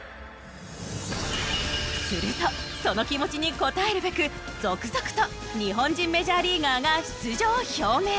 するとその気持ちに応えるべく続々と日本人メジャーリーガーが出場を表明。